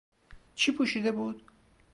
چی پوشیده بود؟